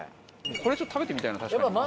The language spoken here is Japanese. これちょっと食べてみたいな確かに。